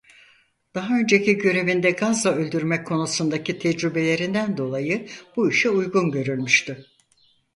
Daha önceki görevinde gazla öldürme konusundaki tecrübelerinden dolayı bu işe uygun görülmüştü.